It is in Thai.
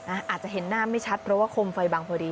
อาจจะเห็นหน้าไม่ชัดเพราะว่าคมไฟบังพอดี